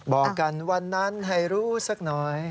บอกกันวันนั้นให้รู้สักหน่อย